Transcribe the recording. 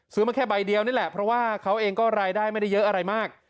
มาแค่ใบเดียวนี่แหละเพราะว่าเขาเองก็รายได้ไม่ได้เยอะอะไรมาก